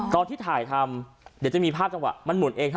ตอนที่ถ่ายทำเดี๋ยวจะมีภาพจังหวะมันหุ่นเองฮะ